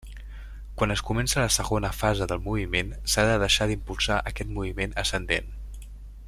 Quan es comença la segona fase del moviment, s'ha de deixar d'impulsar aquest moviment ascendent.